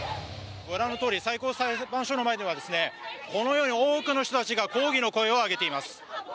ご覧のとおり最高裁判所の前では多くの人たちが抗議の声を上げています。